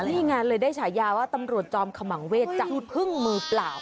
นี่ไงเลยได้ฉายาว่าตำรวจจอมขมังเวศจับพึ่งมือเปล่า